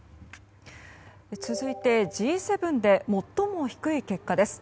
続いて、Ｇ７で最も低い結果です。